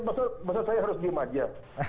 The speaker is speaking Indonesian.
maksud saya harus diem aja